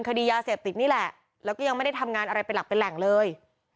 คดียาเสพติดนี่แหละแล้วก็ยังไม่ได้ทำงานอะไรเป็นหลักเป็นแหล่งเลย